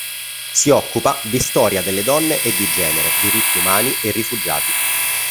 Si occupa di storia delle donne e di genere, diritti umani e rifugiati.